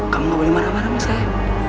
kamu gak boleh marah marah sama saya